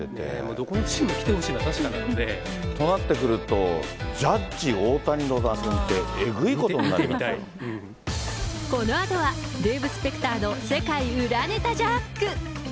どこのチームも来てほしいのは確かなんで。となってくると、ジャッジ、大谷の打線ってえぐいことになりこのあとは、デーブ・スペクターの世界裏ネタジャック。